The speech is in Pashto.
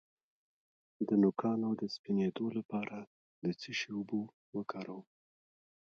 د نوکانو د سپینیدو لپاره د څه شي اوبه وکاروم؟